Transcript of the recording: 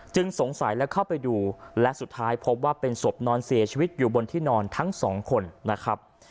สงสัยและเข้าไปดูและสุดท้ายพบว่าเป็นศพนอนเสียชีวิตอยู่บนที่นอนทั้งสองคนนะครับ